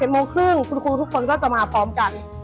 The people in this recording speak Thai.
โมงครึ่งคุณครูทุกคนก็จะมาพร้อมกัน